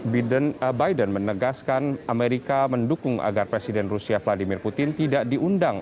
biden menegaskan amerika mendukung agar presiden rusia vladimir putin tidak diundang